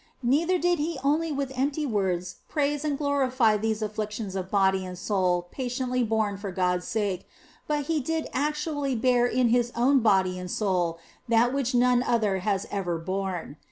Neither did He only with empty words praise and glorify these afflictions of body and soul patiently borne for God s sake, but He did actually bear in His own body and soul that which none other has ever borne.